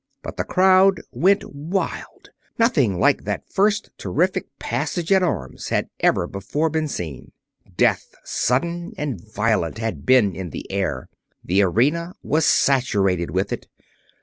But the crowd went wild. Nothing like that first terrific passage at arms had ever before been seen. Death, sudden and violent, had been in the air. The arena was saturated with it.